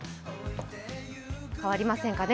変わりませんかね。